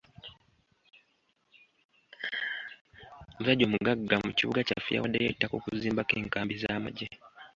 Omusajja omugagga mu kibuga kyaffe yawaddeyo ettaka okuzimba ko enkambi z'amagye.